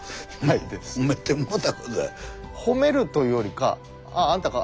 ほめるというよりか「あああんたか。